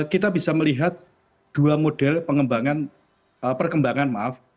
kita bisa melihat dua model perkembangan maaf